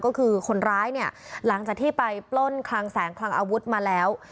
ก็คือคนร้ายเนี่ยหลังจากที่ไปปล้นคลังแสงคลังอาวุธมาแล้ว